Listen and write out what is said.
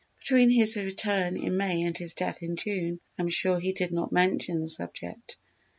Between his return in May and his death in June I am sure he did not mention the subject.